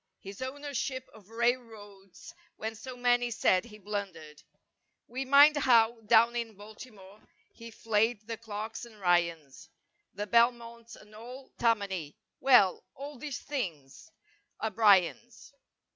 His "Ownership of Railroads" when So many said he blundered. We mind how, down in Baltimore, He flayed the Clarks and Ryans, The Belmonts and all Tammany— Well, all these things are Bryan's.